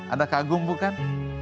anda kagum bukan